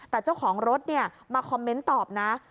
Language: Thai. แต่เจ้าของรถมาคอมเมนต์ตอบนะ